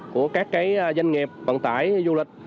của các cái doanh nghiệp vận tải du lịch